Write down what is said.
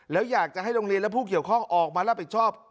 แล้วอยากจะให้โรงเรียนและผู้เกี่ยวข้องออกมารับผิดชอบ